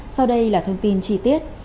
sau đây là thông tin chi tiết